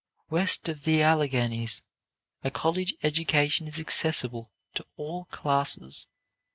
West of the Alleghanies a college education is accessible to all classes.